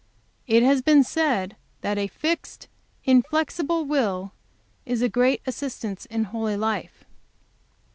"It has been said 'that a fixed, inflexible will is a great assistance in a holy life.'